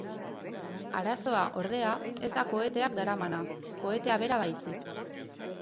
Arazoa, ordea, ez da koheteak daramana, kohetea bera baizik.